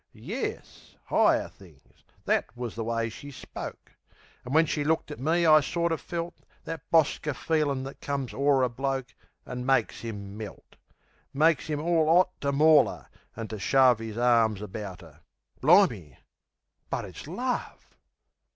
Yes, 'igher things that wus the way she spoke; An' when she looked at me I sorter felt That bosker feelin' that comes o'er a bloke, An' makes 'im melt; Makes 'im all 'ot to maul 'er, an' to shove 'Is arms about'er...Bli'me? but it's love!